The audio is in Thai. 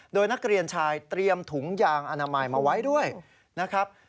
โดยนักเรียนชายเตรียมถุงยางอนามัยมาไว้ด้วยนะครับ